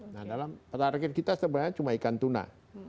nah dalam peta reken kita sebenarnya cuma ikan tuna